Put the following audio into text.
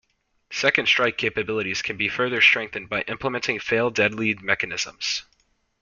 Second-strike capabilities can be further strengthened by implementing fail-deadly mechanisms.